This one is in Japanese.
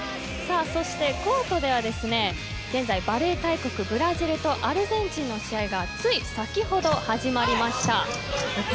そして、コートでは現在バレー大国ブラジルとアルゼンチンの試合がつい先ほど、始まりました。